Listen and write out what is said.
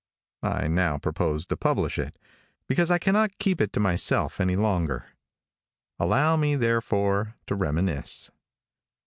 I now propose to publish it, because I cannot keep it to myself any longer. Allow me, therefore, to reminisce.